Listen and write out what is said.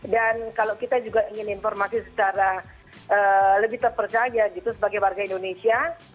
dan kalau kita juga ingin informasi secara lebih terpercaya gitu sebagai warga indonesia